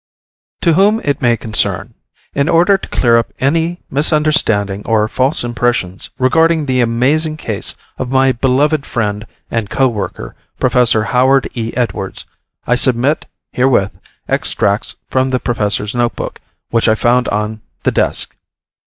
_ To Whom It May Concern: In order to clear up any misunderstanding or false impressions regarding the amazing case of my beloved friend and co worker, Professor Howard E. Edwards, I submit herewith, extracts from the professor's notebook, which I found on the desk.